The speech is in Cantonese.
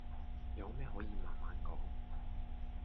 有咩可以慢慢講